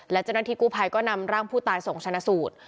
และเจ้าหน้าที่กู้ภัยก็นำร่างผู้ตายส่งชนะสูตร